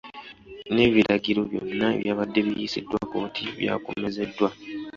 N'ebiragaliro byonna ebyabadde biyisiddwa kkooti by’akomezeddwa.